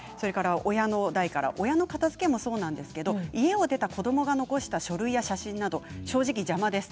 親の片づけもそうですが家を出た子どもが残した書類や写真など正直、邪魔です。